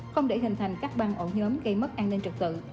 không để hình thành các băng ổ nhóm gây mất an ninh trật tự